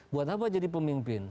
buat apa jadi pemimpin